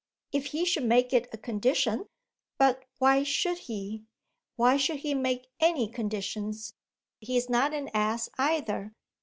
"If he should make it a condition. But why should he? why should he make any conditions? He's not an ass either.